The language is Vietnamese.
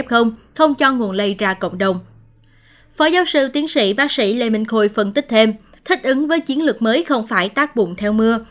phó giáo sư tiến sĩ bác sĩ lê minh khôi phân tích thêm thích ứng với chiến lược mới không phải tác bụng theo mưa